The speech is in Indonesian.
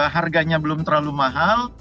harganya belum terlalu mahal